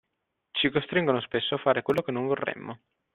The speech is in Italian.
Ci costringono spesso a fare quello che non vorremmo.